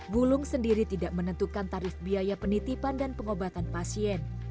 bulung sendiri tidak menentukan tarif biaya penitipan dan pengobatan pasien